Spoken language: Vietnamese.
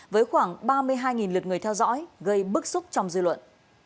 với khoảng ba mươi hai lượt người theo dõi gây bức xúc trong dư luận